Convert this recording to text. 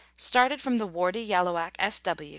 Started from the Wardy Yalloak S.W.